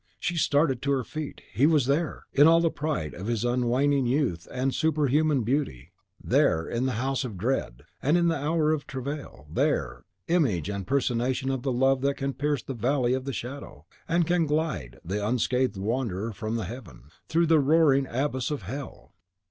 She started to her feet! he was there, in all the pride of his unwaning youth and superhuman beauty; there, in the house of dread, and in the hour of travail; there, image and personation of the love that can pierce the Valley of the Shadow, and can glide, the unscathed wanderer from the heaven, through the roaring abyss of hell!